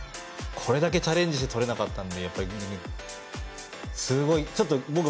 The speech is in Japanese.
これだけチャレンジしてとれなかったので。